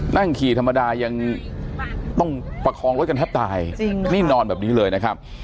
นั่งขี่ธรรมดายังต้องประคองรถกันแทบตายนี่นอนแบบนี้เลยนะครับ